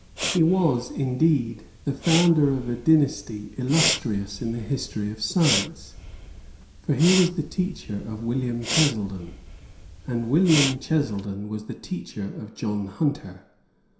He was, indeed, the founder of a dynasty illustrious in the history of science; for he was the teacher of William Cheselden, and William Cheselden was the teacher of John Hunter.